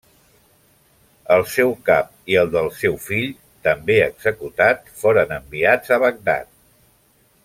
El seu cap i el del seu fill, també executat, foren enviats a Bagdad.